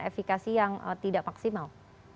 efekasi yang tidak maksimal